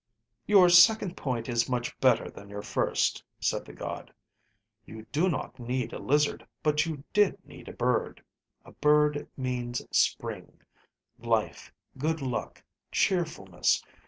"Your second point is much better than your first," said the god. "You do not need a lizard, but you did need a bird. A bird means spring, life, good luck, cheerfulness.